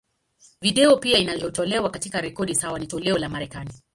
Video pia iliyotolewa, katika rekodi sawa na toleo la Marekani.